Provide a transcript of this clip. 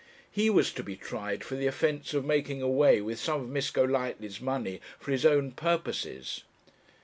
He was to be tried for the offence of making away with some of Miss Golightly's money for his own purposes.